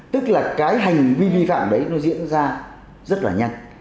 tức là cái hành vi vi phạm đấy nó diễn ra rất là nhanh